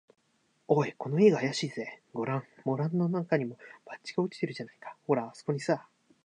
「おい、この家があやしいぜ。ごらん、門のなかにも、バッジが落ちているじゃないか。ほら、あすこにさ」